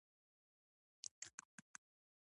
د وانیلا ګل د بوی لپاره وکاروئ